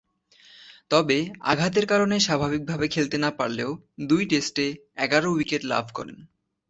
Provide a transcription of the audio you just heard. তবে, আঘাতের কারণে স্বাভাবিকভাবে খেলতে না পারলেও দুই টেস্টে এগারো উইকেট লাভ করেন।